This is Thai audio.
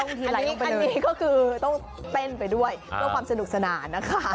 อันนี้ก็คือต้องเต้นไปด้วยเพื่อความสนุกสนานนะคะ